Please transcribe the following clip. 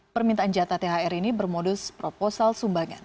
permintaan jatah thr ini bermodus proposal sumbangan